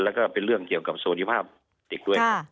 และก็เป็นเรื่องเกี่ยวกับสภาพเด็กด้วย